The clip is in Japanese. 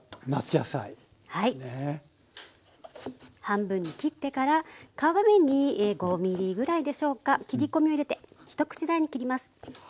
半分に切ってから皮目に５ｍｍぐらいでしょうか切り込みを入れて一口大に切ります。